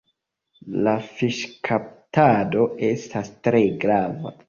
La fiŝkaptado estas tre grava.